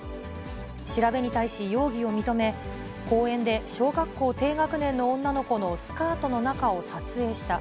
調べに対し容疑を認め、公園で小学校低学年の女の子のスカートの中を撮影した。